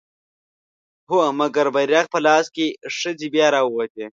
هو! مګر بيرغ په لاس که ښځې بيا راووتې